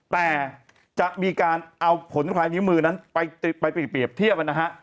แต่จะมีการเอาผลพลายนิ้วมือนั้นไปเปรียบเทียบนะฮะ